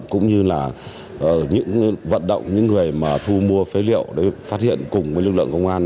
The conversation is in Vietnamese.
cũng như là những vận động những người mà thu mua phế liệu để phát hiện cùng với lực lượng công an